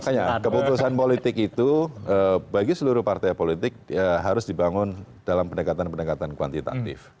makanya keputusan politik itu bagi seluruh partai politik harus dibangun dalam pendekatan pendekatan kuantitatif